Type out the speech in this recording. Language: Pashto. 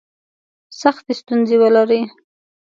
سختي ستونزي ولري.